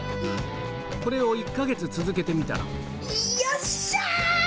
これを１か月続けてみたらよっしゃ！